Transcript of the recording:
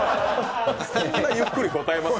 そんなゆっくり答えます？